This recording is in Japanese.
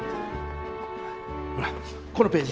ほらこのページ。